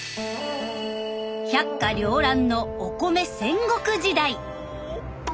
百花繚乱のお米戦国時代！